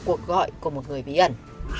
cuộc gọi của một người bí ẩn